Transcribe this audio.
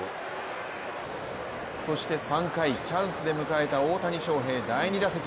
３回、チャンスで迎えた大谷翔平、第２打席。